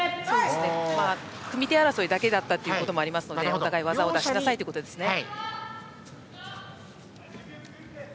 組み手争いだけということもあったのでお互い、技を出しなさいということですね。